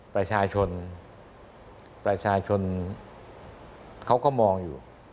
ประชาชนเขาก็มองอยู่